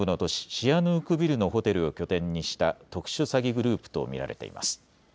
シアヌークビルのホテルを拠点にした特殊詐欺グループと見られています。